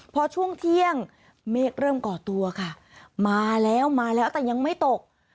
พอช่วงเที่ยงเมฆเริ่มก่อตัวค่ะมาแล้วมาแล้วแต่ยังไม่ตก